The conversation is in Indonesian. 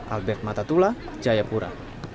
albert matatula jayapura